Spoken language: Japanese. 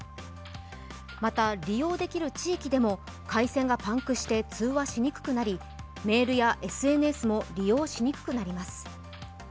また利用できる地域でも回線がパンクして通話しにくくなりメールやＳＮＳも利用しにくくなります。